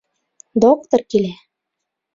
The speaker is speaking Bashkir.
Доктор килә!